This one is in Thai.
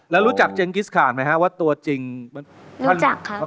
แล้วรู้จักเจ็งกิสคานไหมฮะว่าตัวจริงรู้จักครับ